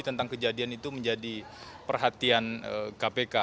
dan kejadian itu menjadi perhatian kpk